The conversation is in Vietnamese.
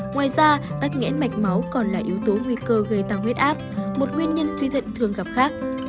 ngoài ra tắc nghẽn mạch máu còn là yếu tố nguy cơ gây tăng huyết áp một nguyên nhân suy thận thường gặp khác